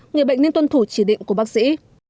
người bệnh nên tuân thủ chỉ định của bác sĩ